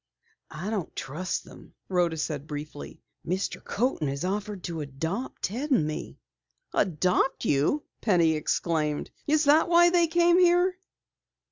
"I don't trust them," Rhoda said briefly. "Mr. Coaten has offered to adopt Ted and me." "Adopt you!" Penny exclaimed. "Is that why they came here?"